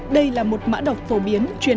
đây là một mã đọc phổ biến